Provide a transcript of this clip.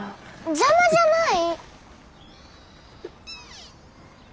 邪魔じゃない！